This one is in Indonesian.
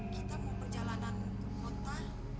kita mau perjalanan kota